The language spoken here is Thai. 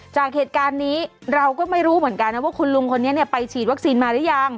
จากเหตุการณ์นี้เราก็ไม่รู้เหมือนกันนะว่าคุณลุงคนนี้ไปฉีดวัคซีนมาหรือยัง